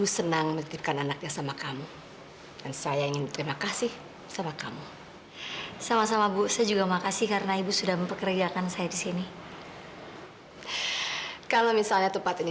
sampai jumpa di video selanjutnya